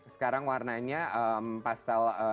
sekarang warnanya pastel